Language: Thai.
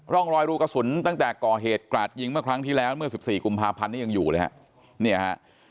รอยรูกระสุนตั้งแต่ก่อเหตุกราดยิงเมื่อครั้งที่แล้วเมื่อ๑๔กุมภาพันธ์นี้ยังอยู่เลยฮะเนี่ยฮะ